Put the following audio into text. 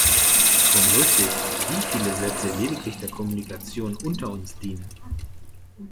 Schon lustig, wie viele Sätze lediglich der Kommunikation unter uns dienen.